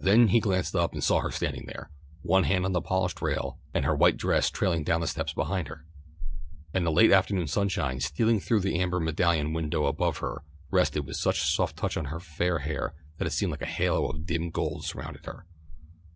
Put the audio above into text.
Then he glanced up and saw her standing there, one hand on the polished rail, and her white dress trailing down the steps behind her. And the late afternoon sunshine stealing through the amber medallion window above her rested with such soft touch on her fair hair that it seemed that a halo of dim gold surrounded her.